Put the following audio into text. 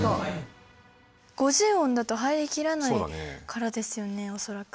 ５０音だと入りきらないからですよね恐らく。